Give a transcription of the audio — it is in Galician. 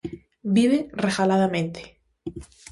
Vive regaladamente.